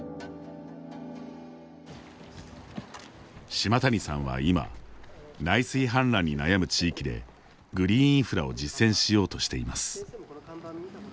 島谷さんは今内水氾濫に悩む地域でグリーンインフラを実践しようとしています。